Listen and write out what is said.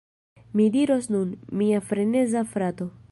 Vi diros nun: "Mia freneza frato!